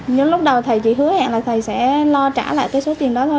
nhưng lúc đầu thầy chị hứa hẹn là thầy sẽ lo trả lại cái số tiền đó thôi